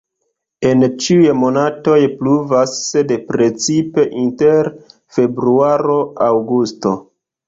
En ĉiuj monatoj pluvas, sed precipe inter februaro-aŭgusto.